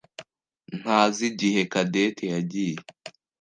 ntazi igihe Cadette yagiye.